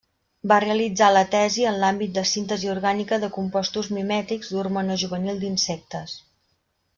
Va realitzar la tesi en l'àmbit de síntesi orgànica de compostos mimètics d'hormona juvenil d'insectes.